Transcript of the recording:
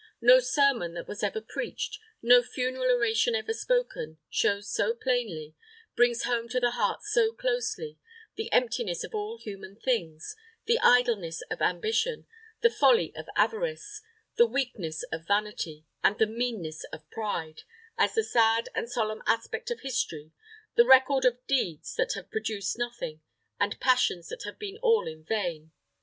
No sermon that was ever preached, no funeral oration ever spoken, shows so plainly, brings home to the heart so closely, the emptiness of all human things, the idleness of ambition, the folly of avarice, the weakness of vanity, and the meanness of pride, as the sad and solemn aspect of history the record of deeds that have produced nothing, and passions that have been all in vain.